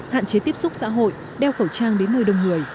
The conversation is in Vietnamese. hạn chế tiếp xúc xã hội đeo khẩu trang đến nơi đông người